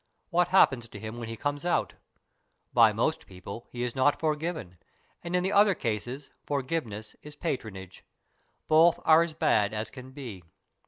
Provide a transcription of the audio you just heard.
What happens to him when he comes out ? By most people he is not forgiven, and in the other cases forgiveness is patronage. Both are as bad as can be.